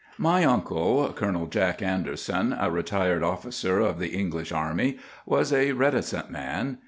"My uncle, Colonel Jack Anderson, a retired officer of the English army, was a reticent man.